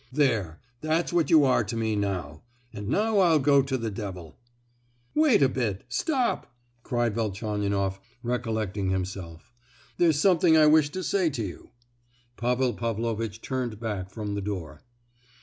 "There, that's what you are to me now; and now I'll go to the devil." "Wait a bit—stop!" cried Velchaninoff, recollecting himself; "there's something I wished to say to you." Pavel Pavlovitch turned back from the door.